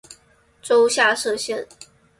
州下设县。